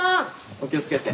お気をつけて。